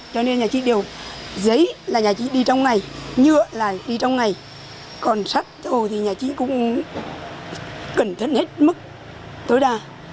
cho nên nhà chị đều giấy là nhà chị đi trong ngày nhựa là đi trong ngày còn sắt hồ thì nhà chị cũng cẩn thận hết mức tối đa